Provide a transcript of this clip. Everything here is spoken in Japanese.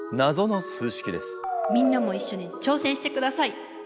みんなもいっしょに挑戦してください！